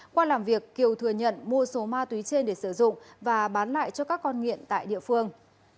qua làm việc kiều thừa nhận mua số ma túy trên để sử dụng và bán lại cho các con nghiện tại địa phương